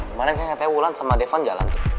kemarin kan katanya wulan sama devan jalan tuh